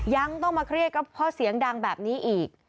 ยังต้องมาเครียดก็เพราะเสียงดังแบบนี้อีก